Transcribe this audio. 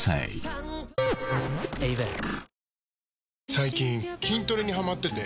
最近筋トレにハマってて。